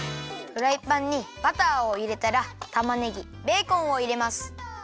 フライパンにバターをいれたらたまねぎベーコンをいれます。